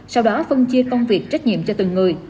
sau đó phân chia công việc trách nhiệm cho từng người